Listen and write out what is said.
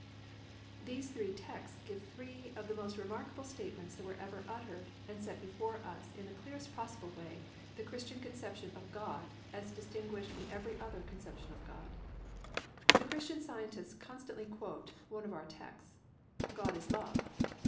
"+ These three texts give three of the most remarkable statements that were ever uttered and set before us in the clearest possible way the Christian conception of God as distinguished from every other conception of God. The Christian Scientists constantly quote one of our texts: +"God is Love."